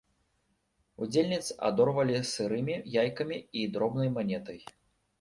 Удзельніц адорвалі сырымі яйкамі і дробнай манетай.